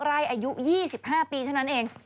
ไร่อายุ๒๕ปีเท่านั้นเอง